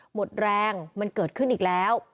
หมดแรงมันเกิดขึ้นอีกแล้ว